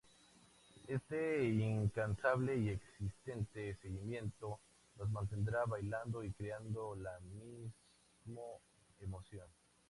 Este incansable y excelente seguimiento los mantendrá bailando y creando la mismo emoción".